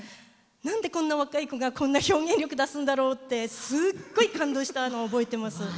なんでこんな若い子がこんな表現力出すんだろうってすっごい感動したのを覚えています。